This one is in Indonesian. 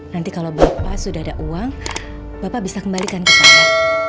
nanti kalau bapak sudah ada uang bapak bisa kembalikan ke saya